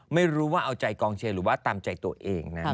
ไม่รู้ว่าเอาใจกองเชียร์หรือว่าตามใจตัวเองนะ